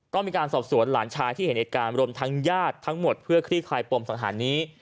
ต้องมีการสอบสวนหลานชายที่เห็นเหตุการณ์รวมทั้งญาติทั้งหมดเพื่อคลี่คลายปมสังหารนี้